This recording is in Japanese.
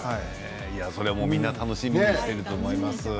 それもみんな楽しみにしていると思います。